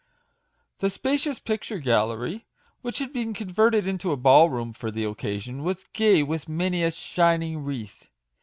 The spacious picture gallery, which had been converted into a ball room for the occasion, was gay with many a shining wreath.